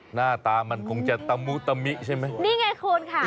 หน้าตามันคงจะตะมุตะมิใช่ไหมนี่ไงคุณค่ะ